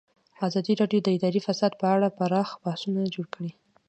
ازادي راډیو د اداري فساد په اړه پراخ بحثونه جوړ کړي.